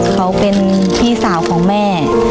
เขาเป็นพี่สาวของแม่